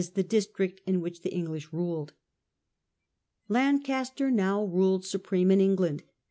the district in which the English ruled). Lancaster now ruled supreme in England.